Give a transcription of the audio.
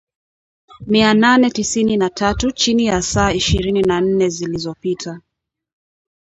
mia nane tisini na tatu chini ya saa ihirini na nne zilizopita